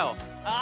あ！